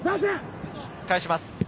返します。